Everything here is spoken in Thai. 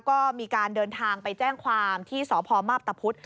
ก็มีการเดินทางไปแจ้งความที่สพมาพตะพุธ